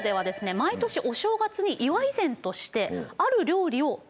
毎年お正月に祝い膳としてある料理を食べていました。